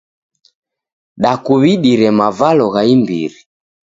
Dakuw'idire mavalo gha imbiri.